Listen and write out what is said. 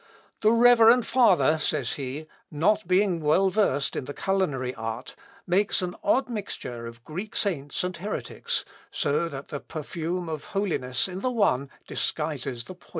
"The reverend father," says he, "not being well versed in the culinary art, makes an odd mixture of Greek saints and heretics, so that the perfume of holiness in the one disguises the poison in the other."